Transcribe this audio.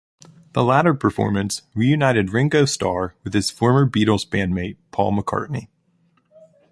The latter performance reunited Ringo Starr with his former Beatles bandmate Paul McCartney.